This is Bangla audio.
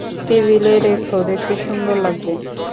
টেবিলে রেখো, দেখতে সুন্দর লাগবে।